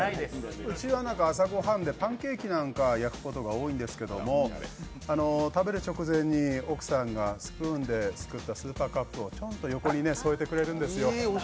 うちは朝ご飯でパンケーキなんかを焼くことが多いんですけれども食べる直前に、奥さんがスプーンですくったスーパーカップをちょんと横に添えてくれるんですよ。